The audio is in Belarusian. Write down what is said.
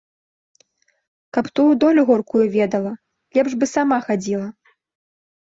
Каб тую долю горкую ведала, лепш бы сама хадзіла.